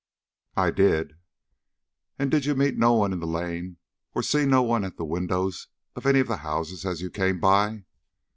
"I did." "And did you meet no one in the lane, or see no one at the windows of any of the houses as you came by?"